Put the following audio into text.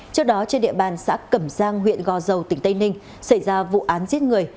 trước đó trên địa bàn xã cẩm giang huyện gò dầu tỉnh tây ninh xảy ra vụ án giết người